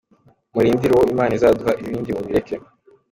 Murindire uwo Imana izaduha ibindi mubireke.